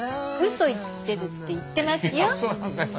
「嘘言ってる」って言ってますよ。